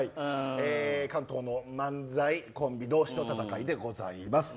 関東の漫才コンビ同士の戦いでございます。